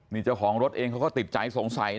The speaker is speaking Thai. นี่เจ้าของรถเองเขาก็ติดใจสงสัย